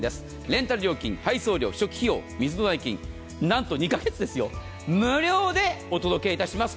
レンタル料金、配送料初期費用、水の代金何と２カ月無料でお届けいたします。